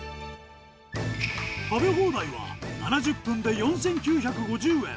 食べ放題は７０分で４９５０円。